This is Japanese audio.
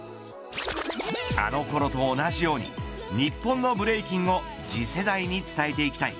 あのころと同じように日本のブレイキンを次世代に伝えていきたい。